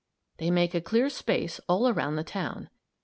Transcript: They make a clear space all around the town.